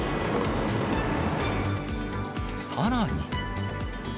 さらに。